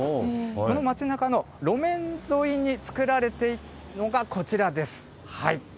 この街なかの路面沿いに作られているのがこちらです。